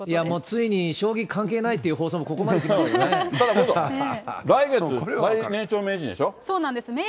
もうついに、将棋関係ないっていう放送もここまで来たんです